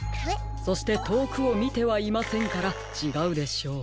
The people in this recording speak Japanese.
そしてとおくをみてはいませんからちがうでしょう。